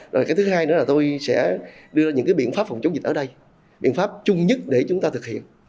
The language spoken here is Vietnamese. rồi cái thứ hai nữa là tôi sẽ đưa ra những cái biện pháp phòng chống dịch ở đây biện pháp chung nhất để chúng ta thực hiện